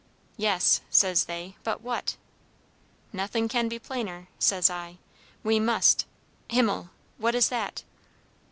'Yes,' says they, 'but what?' 'Nothing can be plainer,' says I, 'we must' Himmel! what is that?"